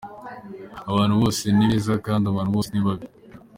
Abantu bose ni beza kandi abantu bose ni babi.